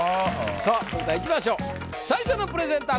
さあそれではいきましょう最初のプレゼンター